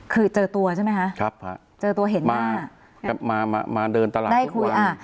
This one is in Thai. คือเจอตัวใช่ไหมคะครับค่ะเจอตัวเห็นหน้ามามาเดินตลาดได้คุยอ่ะ